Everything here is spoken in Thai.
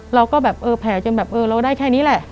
เราก็แบบเออแผลจนแบบเออเราได้แค่นี้แหละ